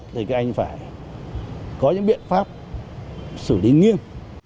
thì các anh phải có những biện pháp xử lý nghiêm